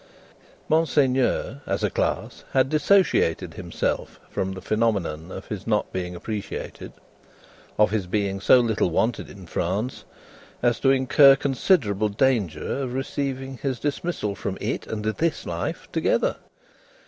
Monseigneur, as a class, had dissociated himself from the phenomenon of his not being appreciated: of his being so little wanted in France, as to incur considerable danger of receiving his dismissal from it, and this life together.